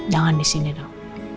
jangan disini dong